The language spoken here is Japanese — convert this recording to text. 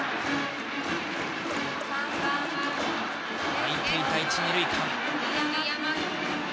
空いていた一、二塁間。